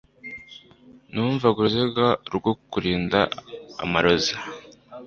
Numvaga uruziga rwo kurinda amarozi